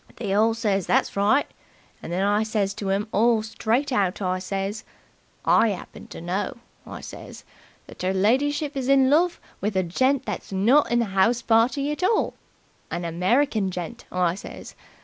They all says that's right, and then I says to 'em all straight out, I says, 'I 'appen to know', I says, 'that 'er lidyship is in love with a gent that's not in the party at all. An American gent,' I says.